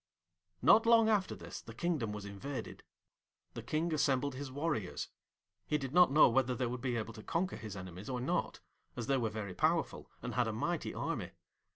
Not long after this the kingdom was invaded. The King assembled his warriors. He did not know whether they would be able to conquer his enemies or not, as they were very powerful, and had a mighty army.